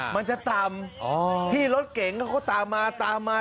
มันจะตำพี่รถเก่งก็ตามมาตามมาตามมา